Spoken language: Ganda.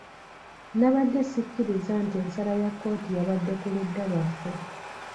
Nabadde sikkiriza nti ensala ya kkooti yabadde ku ludda lwaffe.